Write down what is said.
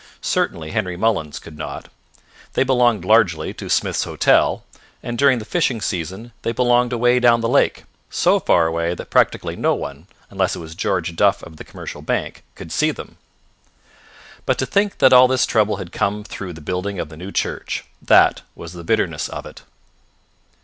Certainly Henry Mullins could not. They belonged largely to Smith's Hotel, and during the fishing season they belonged away down the lake, so far away that practically no one, unless it was George Duff of the Commercial Bank, could see them. But to think that all this trouble had come through the building of the new church. That was the bitterness of it.